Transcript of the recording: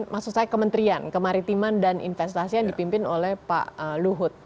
maksud saya kementerian kemaritiman dan investasi yang dipimpin oleh pak luhut